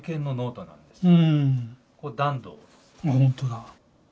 あっほんとだ。